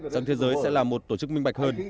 rằng thế giới sẽ là một tổ chức minh bạch hơn